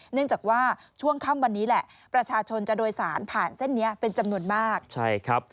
เนื่องจากว่าช่วงค่ำวันนี้แหละประชาชนจะโดยสารผ่านเส้นนี้เป็นจำนวนมากใช่ครับ